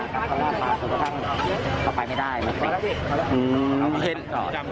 เขาลากมาก็ตั้งไปไม่ได้